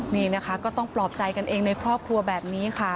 นี่นะคะก็ต้องปลอบใจกันเองในครอบครัวแบบนี้ค่ะ